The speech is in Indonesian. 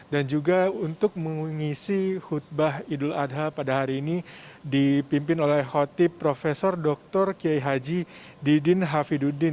dan juga untuk mengisi khutbah idul adha pada hari ini dipimpin oleh khotib prof dr kiai haji didin hafiduddin